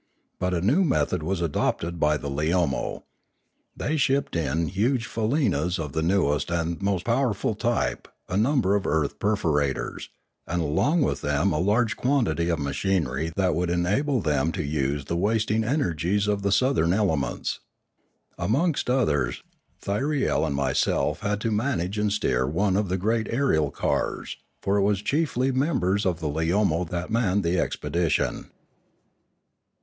But a new method was adopted by the Leomo. They shipped in huge faleenas of the newest and most powerful type a number of earth perforators, and along with them a large quantity of machinery that would enable them to use the wasting energies of the southern elements. Amongst others Thyriel and myself had to manage and steer one of the great aerial cars, for it was chiefly members of the Leomo that manned the expedition.